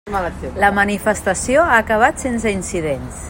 La manifestació ha acabat sense incidents.